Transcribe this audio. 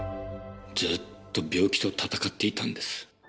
ずっと病気と闘っていたんです。